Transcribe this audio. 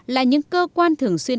là những cơ quan thường xuyên